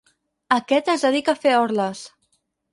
Aquest es dedica a fer orles.